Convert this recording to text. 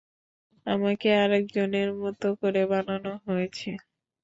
আমাকে আরেকজনের মতো করে বানানো হয়েছে।